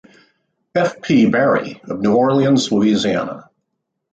F. P. Barry, of New Orleans, Louisiana.